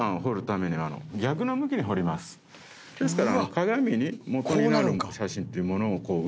ですから。